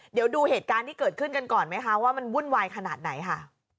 เดี๋ยวดูเหตุการณ์ที่เกิดขึ้นกันก่อนไหมคะว่ามันวุ่นวายขนาดไหนค่ะ